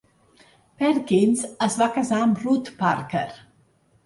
Perkins es va casar amb Ruth Parker.